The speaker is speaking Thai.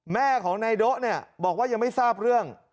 แม่ของนายโด๊ะเนี่ยบอกว่ายังไม่ทราบเรื่อง